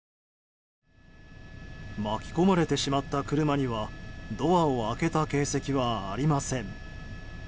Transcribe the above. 巻き込まれてしまった車にはドアを開けた形跡はありません。